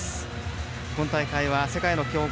この大会は世界の強豪